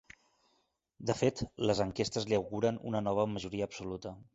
De fet, les enquestes li auguren una nova majoria absoluta.